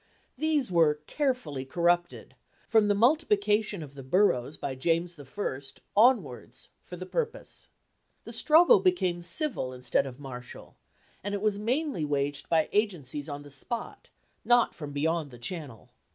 These were carefully corrupted, from the multiplication of the Boroughs by James I. onwards, for the purpose. The struggle became civil, instead of martial; and it was mainly waged by agencies on the spot, not from beyond the Channel.